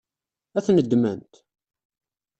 Ad ten-ddment?